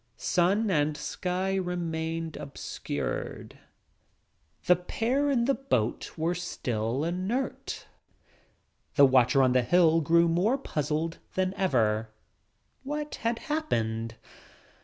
Sun and sky remained obscured. 24 DUCK BLINDS The pair in the boat were still inert. The watcher on the hill grew more puzzled than ever. What had happened?